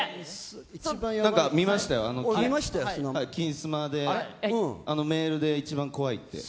見ましたよ、「金スマ」でメールで１番怖いって。